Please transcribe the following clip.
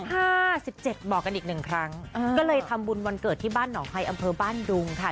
ห้าสิบเจ็ดบอกกันอีกหนึ่งครั้งอ่าก็เลยทำบุญวันเกิดที่บ้านหนองไพรอำเภอบ้านดุงค่ะ